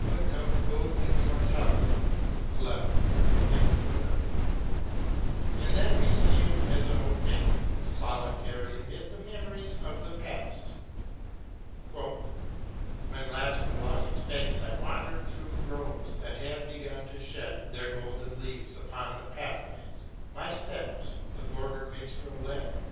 * And then we see him as an old man, solitary amid the memories of the past, When last along its banks I wandered Through groves that had begun to shed Their golden leaves upon the pathways, My steps the Border minstrel led.